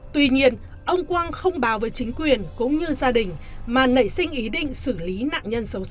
tuy nhiên ông quang không báo với chính quyền cũng như gia đình mà nảy sinh ý định xử lý nạn nhân xấu xố